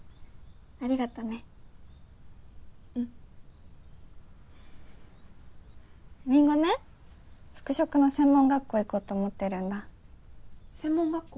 ありがとねうんりんごね服飾の専門学校行こうと思ってるんだ専門学校？